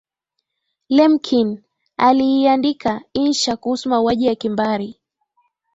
lemkin aliiandika insha kuhusu mauaji ya kimbari